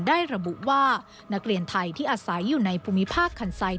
ระบุว่านักเรียนไทยที่อาศัยอยู่ในภูมิภาคคันไซด